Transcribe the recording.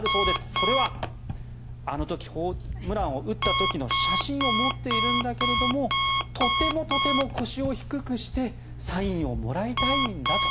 それは、あの時ホームランを打った時の写真を持っているんだけれどもとてもとても腰を低くしてサインをもらいたいんだと。